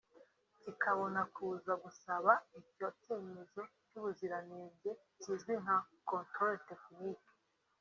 kikabona kuza gusaba icyo cyemezo cy’ubuziranenge kizwi nka Controle technique